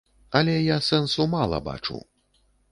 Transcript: Але я сэнсу мала бачу.